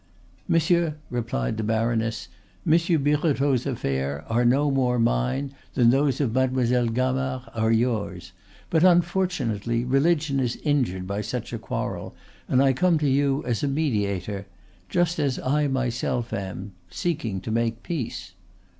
"Monsieur," replied the baroness, "Monsieur Birotteau's affairs are no more mine than those of Mademoiselle Gamard are yours; but, unfortunately, religion is injured by such a quarrel, and I come to you as a mediator just as I myself am seeking to make peace."